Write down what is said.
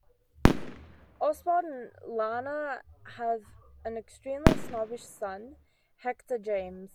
Oswald and Lana have an extremely snobbish son, Hector James.